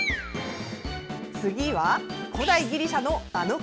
次は古代ギリシャのあの方！